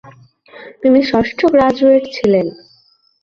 তিনি ষষ্ঠ গ্রাজুয়েট ছিলেন।